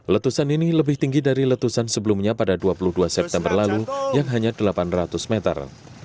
letusan ini lebih tinggi dari letusan sebelumnya pada dua puluh dua september lalu yang hanya delapan ratus meter